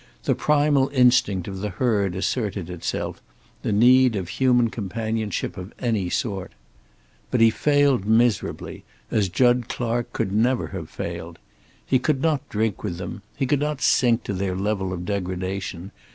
The primal instinct of the herd asserted itself, the need of human companionship of any sort. But he failed miserably, as Jud Clark could never have failed. He could not drink with them. He could not sink to their level of degradation.